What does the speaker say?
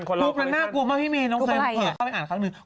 พรูปนั้นน่ากลัวมากพี่เม่ย์น้องแซลมเข้าไปอ่านเข้าหมดกรุ๊ปอะไร